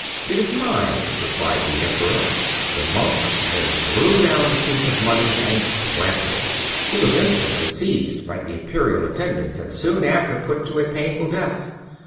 "It is mine," replied the Emperor. The monk then threw down the piece of money and trampled it. He was instantly seized by the imperial attendants and soon after put to a painful death.